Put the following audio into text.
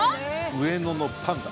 上野のパンダ。